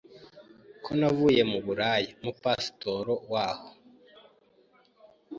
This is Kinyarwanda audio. ko navuye mu buraya, umu pastor waho